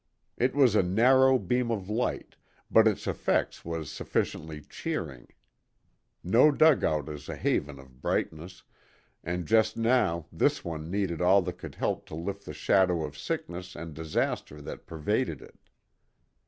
It was a narrow beam of light, but its effect was sufficiently cheering. No dugout is a haven of brightness, and just now this one needed all that could help to lift the shadow of sickness and disaster that pervaded it.